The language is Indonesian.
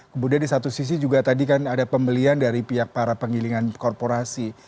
kemudian di satu sisi juga tadi kan ada pembelian dari pihak para penggilingan korporasi